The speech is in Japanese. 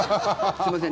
すいません